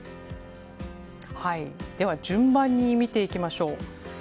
では、順番に見ていきましょう。